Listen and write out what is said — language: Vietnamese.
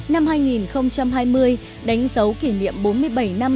năm hai nghìn hai mươi đánh dấu kỷ niệm bốn mươi bảy năm